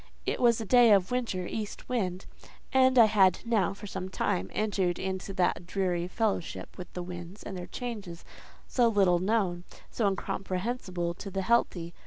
It was a day of winter east wind, and I had now for some time entered into that dreary fellowship with the winds and their changes, so little known, so incomprehensible to the healthy.